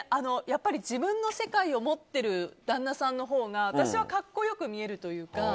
やっぱり自分の世界を持ってる旦那さんのほうが私は格好良く見えるというか。